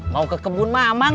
mau ke kebun mamang